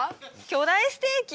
巨大ステーキ。